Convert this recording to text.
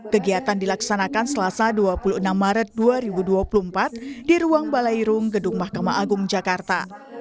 kegiatan dilaksanakan selasa dua puluh enam maret dua ribu dua puluh empat di ruang balairung gedung mahkamah agung jakarta